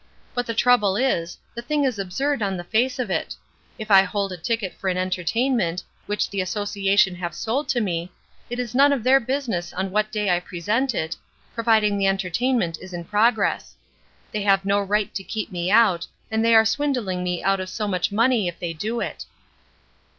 "But the trouble is, the thing is absurd on the face of it. If I hold a ticket for an entertainment, which the Association have sold to me, it is none of their business on what day I present it, provided the entertainment is in progress. They have no right to keep me out, and they are swindling me out of so much money if they do it."